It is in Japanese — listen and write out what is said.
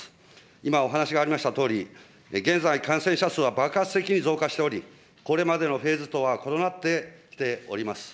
今お話がありましたとおり、現在、感染者数は爆発的に増加しており、これまでのフェーズとは異なってきております。